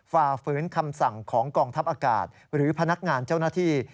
ฝ่าฝืนคำสั่งของกองทัพอากาศหรือพนักงานเจ้าหน้าที่